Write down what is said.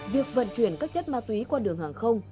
việc vận chuyển các chất ma túy qua đường hàng không